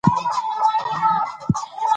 سیلاني ځایونه د اقتصادي منابعو ارزښت ډېر زیاتوي.